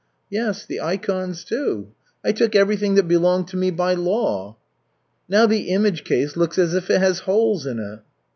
"Yes, the ikons, too. I took everything that belonged to me by law." "Now the image case looks as if it has holes in it."